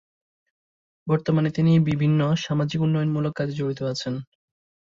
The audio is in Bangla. বর্তমানে তিনি বিভিন্ন সামাজিক উন্নয়ন মূলক কাজে জড়িত আছেন।